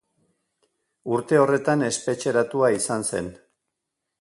Urte horretan espetxeratua izan zen.